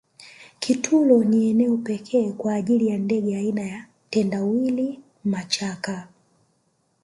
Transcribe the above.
kitulo ni eneo pekee kwa ajili ya ndege aina ya tendawili machaka